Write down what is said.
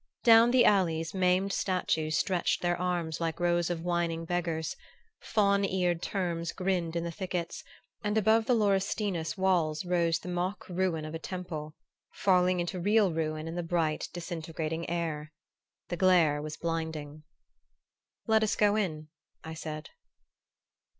Down the alleys maimed statues stretched their arms like rows of whining beggars; faun eared terms grinned in the thickets, and above the laurustinus walls rose the mock ruin of a temple, falling into real ruin in the bright disintegrating air. The glare was blinding. "Let us go in," I said.